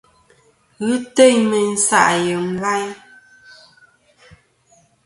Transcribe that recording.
Ghɨ teyn mey nsaʼ yem layn.